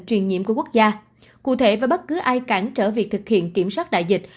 truyền nhiễm của quốc gia cụ thể với bất cứ ai cản trở việc thực hiện kiểm soát đại dịch